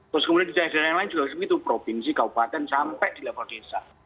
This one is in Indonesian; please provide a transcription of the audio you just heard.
terus kemudian di jalan jalan lain juga seperti itu provinsi kabupaten sampai di level desa